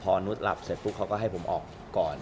พอนุทร์หลับเสร็จก็ให้ผมออกก่อน